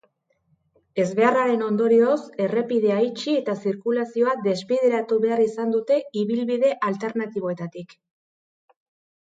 Ezbeharraren ondorioz, errepidea itxi eta zirkulazioa desbideratu behar izan dute ibilbide alternatiboetatik.